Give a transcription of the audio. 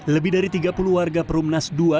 lebih dari tiga puluh warga perumnas dua